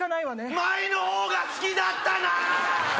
前のほうが好きだったな！